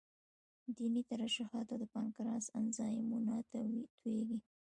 د ینې ترشحات او د پانکراس انزایمونه تویېږي.